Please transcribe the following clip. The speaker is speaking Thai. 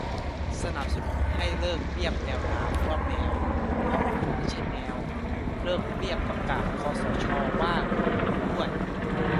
สนับสนุนให้เลิกเรียก แมวน้ำ ว่า แมว เพราะมันไม่ใช่แมว เลิกเรียกประกาศคสชว่ากฎหมายด้วย